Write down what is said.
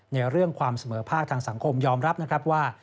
ในเรื่องความเสมอภาคทางสังคมยอมรับนะครับว่า